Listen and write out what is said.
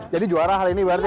jadi juara hal ini berarti